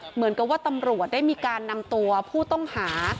เหมือนกับว่าตำรวจได้มีการนำตัวผู้ต้องหา